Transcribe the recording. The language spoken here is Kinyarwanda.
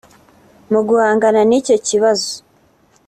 Mu guhangana n’icyo kibazo